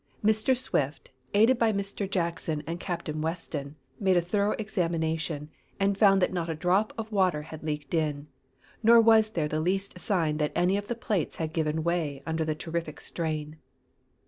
Mr. Swift, aided by Mr. Jackson and Captain Weston, made a thorough examination, and found that not a drop of water had leaked in, nor was there the least sign that any of the plates had given way under the terrific strain.